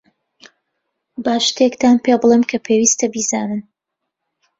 با شتێکتان پێبڵێم کە پێویستە بیزانن.